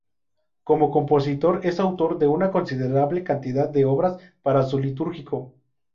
Como compositor es autor de una considerable cantidad de obras para uso litúrgico.